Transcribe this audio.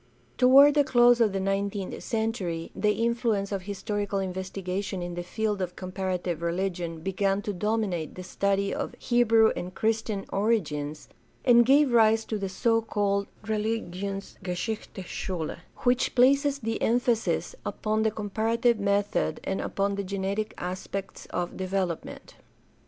Toward the close of the nineteenth century the influence of historical investigation in the field of comparative religion began to dominate the study of Hebrew and Christian origins and gave rise to the so called religionsgeschichtUche Schule, which places the emphasis upon the comparative method and upon the genetic aspects of development.